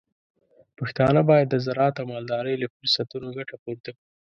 پښتانه بايد د زراعت او مالدارۍ له فرصتونو ګټه پورته کړي.